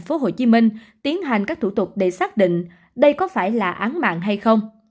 tp hcm tiến hành các thủ tục để xác định đây có phải là án mạng hay không